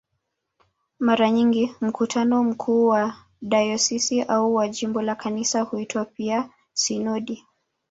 Mara nyingi mkutano mkuu wa dayosisi au wa jimbo la Kanisa huitwa pia "sinodi".